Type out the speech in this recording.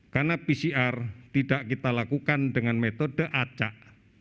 karena pcr tidak kita lakukan dengan metode acak